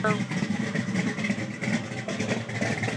Eng kwekeny, kokikoboruetab komongunet Anao,